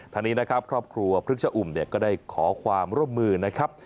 ทันนี้ครอบครัวพฤษอุ่มก็ได้ขอความร่วมมือนะครับ